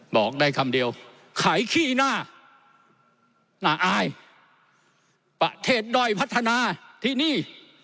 บอกได้คำเดียวไขขี้หน้าน่าอายประเทศด้อยพัฒนาที่นี่